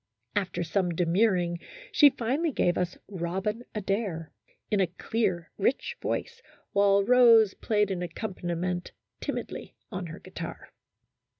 After some demurring, she finally gave us " Robin Adair " in a clear, rich voice, while Rose played an accompaniment timidly on her guitar.